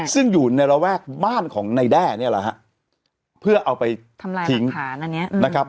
ซึ่งอยู่ในระแวกบ้านของนายแด้เนี่ยแหละฮะเพื่อเอาไปทำลายทิ้งฐานอันนี้นะครับ